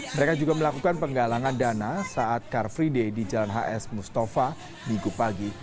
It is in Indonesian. mereka juga melakukan penggalangan dana saat karfrideh di jalan hs mustafa minggu pagi